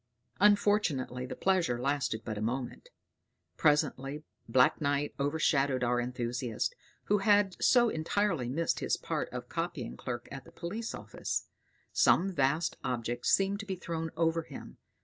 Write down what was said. Unfortunately the pleasure lasted but a moment. Presently black night overshadowed our enthusiast, who had so entirely missed his part of copying clerk at a police office; some vast object seemed to be thrown over him.